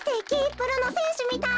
プロのせんしゅみたい！